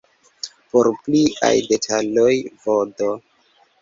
Por pliaj detaloj vd.